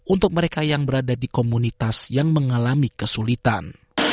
untuk mereka yang berada di komunitas yang mengalami kesulitan